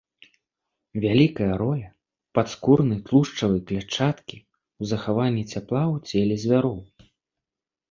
Вялікая роля падскурнай тлушчавай клятчаткі ў захаванні цяпла ў целе звяроў.